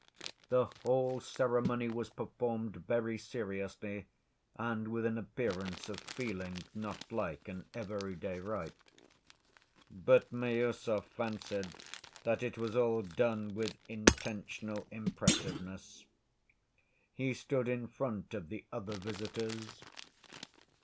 The whole ceremony was performed very seriously and with an appearance of feeling, not like an everyday rite. But Miüsov fancied that it was all done with intentional impressiveness. He stood in front of the other visitors.